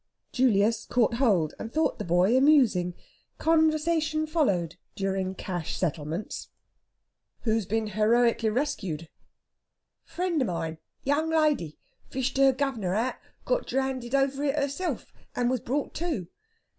Julius caught hold, and thought the boy amusing. Conversation followed, during cash settlements. "Who's been heroically rescued?" "Friend of mine young lady fished her governor out got drownded over it herself, and was brought to.